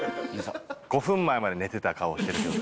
５分前まで寝てた顔してるけど。